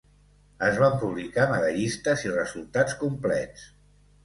Es van publicar medallistes i resultats complets.